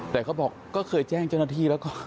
แต่เขาบอกก็เคยแจ้งเจ้าหน้าที่แล้วก่อน